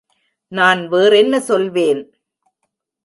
நான் வேறென்ன சொல்வேன்?